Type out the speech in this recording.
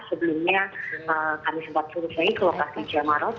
sebelumnya kami sempat turun ke lokasi jemaah rot